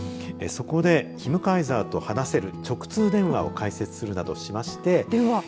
そこでヒムカイザーと話せる直通電話を開設するなどしまして電話。